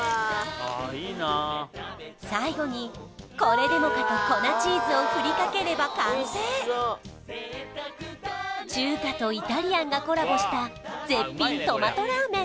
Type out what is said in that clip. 最後にこれでもかと粉チーズを振りかければ完成中華とイタリアンがコラボした絶品トマトラーメン